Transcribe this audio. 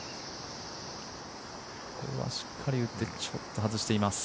これはしっかり打ってちょっと外しています。